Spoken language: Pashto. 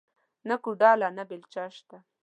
نه کوداله نه بيلچه شته